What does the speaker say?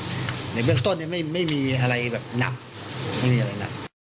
ในเบื้องต้นไม่มีอะไรแบบหนักไม่มีอะไรหนัก